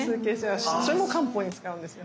それも漢方に使うんですよ。